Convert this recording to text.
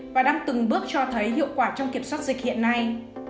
và đang từng bước cho thấy hiệu quả trong kiểm soát dịch hiện nay